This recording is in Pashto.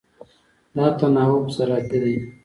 دا تناوب زراعتي دی.